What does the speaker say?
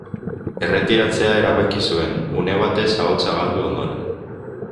Erretiratzea erabaki zuen, une batez ahotsa galdu ondoren.